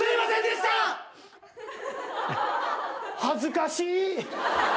恥ずかしい！